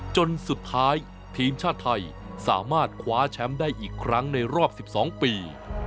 จนสุดท้ายทีมชาติไทยสามารถคว้าแชมป์ได้อีกครั้งในรอบ๑๒ปี